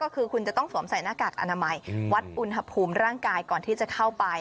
คือคุณจะต้องสวมใส่หน้ากากอนามัยวัดอุณหภูมิร่างกายก่อนที่จะเข้าไป